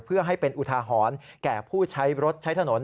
เพื่อให้เป็นอุทาหรณ์แก่ผู้ใช้รถใช้ถนน